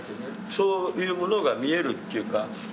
そういうものが見えるというか。